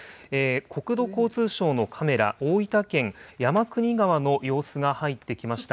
国土交通省のカメラ、大分県山国川の様子が入ってきました。